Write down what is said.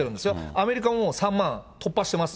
アメリカはもう、３万突破してます。